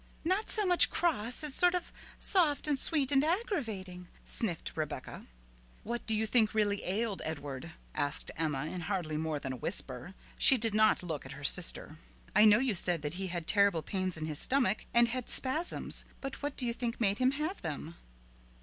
"Not so much cross, as sort of soft, and sweet, and aggravating," sniffed Rebecca. "What do you really think ailed Edward?" asked Emma in hardly more than a whisper. She did not look at her sister. "I know you said that he had terrible pains in his stomach, and had spasms, but what do you think made him have them?"